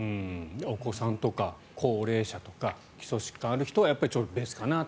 お子さんとか高齢者とか基礎疾患がある人はやっぱり別かなと。